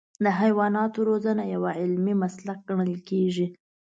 د حیواناتو روزنه یو علمي مسلک ګڼل کېږي.